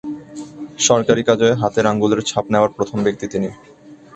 সরকারি কাজে হাতের আঙুলের ছাপ নেওয়ার প্রথম ব্যক্তি তিনি।